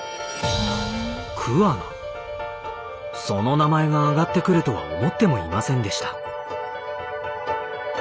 その名前があがってくるとは思ってもいませんでした。